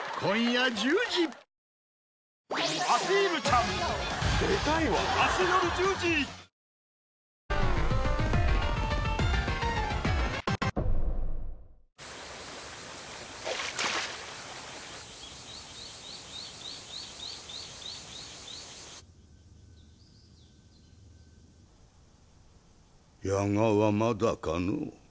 夜蛾はまだかのう？